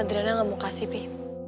adriana gak mau kasih pip